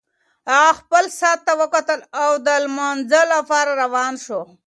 هغه خپل ساعت ته وکتل او د لمانځه لپاره روان شو.